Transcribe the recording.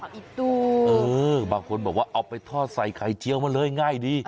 อิดดูเออบางคนบอกว่าเอาไปทอดใส่ไข่เจียวมาเลยง่ายดี